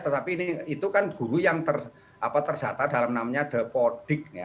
tetapi ini itu kan guru yang terdata dalam namanya depodic ya